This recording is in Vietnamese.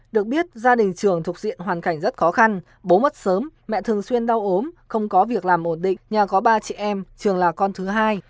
được biết gia đình trường thuộc diện hoàn cảnh rất khó khăn bố mất sớm mẹ thường xuyên đau ốm không có việc làm ổn định nhà có ba chị em trường là con thứ hai